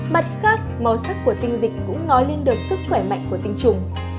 mặt khác màu sắc của tinh dịch cũng nói lên được sức khỏe mạnh của tinh trùng